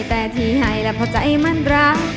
แต่ที่ให้แล้วเพราะใจมันรัก